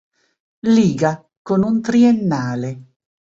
Liga, con un triennale.